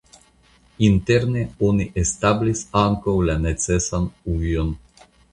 Interne oni establis ankaŭ la necesan ujon.